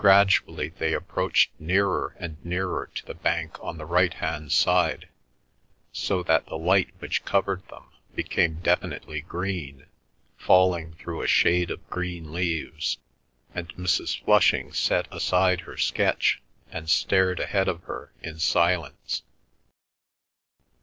Gradually they approached nearer and nearer to the bank on the right hand side, so that the light which covered them became definitely green, falling through a shade of green leaves, and Mrs. Flushing set aside her sketch and stared ahead of her in silence.